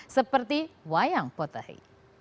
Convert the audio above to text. seperti wayang potahi